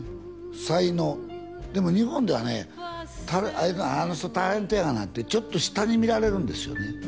才能でも日本ではねあの人タレントやがなってちょっと下に見られるんですよね